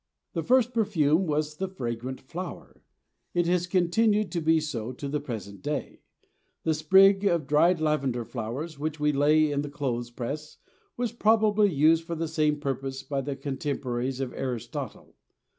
The first perfume was the fragrant flower; it has continued to be so to the present day: the sprig of dried lavender flowers which we lay in the clothes press was probably used for the same purpose by the contemporaries of Aristotle.